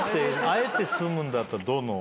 あえて住むんだったらどの？